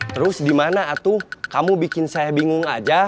terus dimana atu kamu bikin saya bingung aja